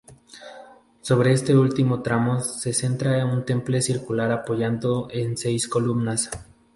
Sobre este último tramo se centra un templete circular apoyado en seis columnas.